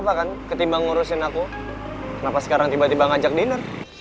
bisa tuh sama aku